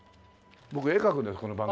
僕絵描くんですこの番組。